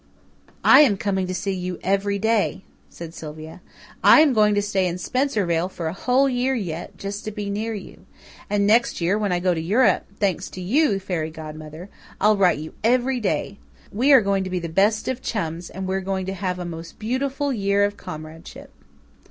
"I am coming to see you every day," said Sylvia. "I am going to stay in Spencervale for a whole year yet, just to be near you. And next year when I go to Europe thanks to you, fairy godmother I'll write you every day. We are going to be the best of chums, and we are going to have a most beautiful year of comradeship!"